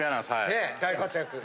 ねえ大活躍。